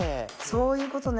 そういうことね。